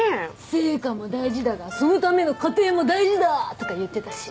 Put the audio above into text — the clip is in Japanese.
「成果も大事だがそのための過程も大事だ！」とか言ってたし。